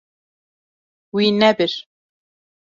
Wî nebir.